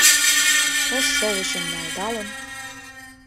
Ош шовычым налдалын